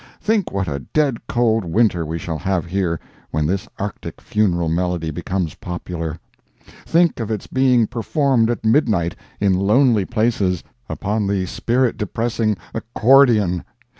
Think what a dead cold winter we shall have here when this Arctic funeral melody becomes popular! Think of it being performed at midnight, in lonely places, upon the spirit depressing accordeon!